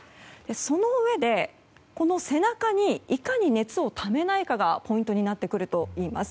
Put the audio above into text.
そのうえで、この背中にいかに熱をためないかがポイントになってくるといいます。